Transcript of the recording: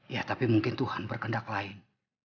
ya tapi mungkin tuhan berkendak lain